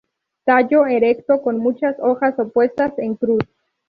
Tallo erecto, con muchas hojas opuestas en cruz.